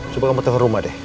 coba kamu tekan rumah deh